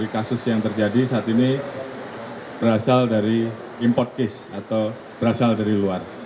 kasus yang terjadi saat ini berasal dari import case atau berasal dari luar